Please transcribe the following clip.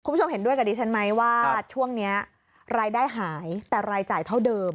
คุณผู้ชมเห็นด้วยกับดิฉันไหมว่าช่วงนี้รายได้หายแต่รายจ่ายเท่าเดิม